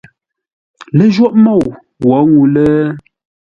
Lə́jwôghʼ môu wǒ ŋuu lə.